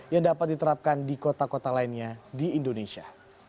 yang dapat diterapkan di kota kota lainnya di indonesia